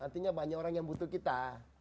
artinya banyak orang yang butuh kita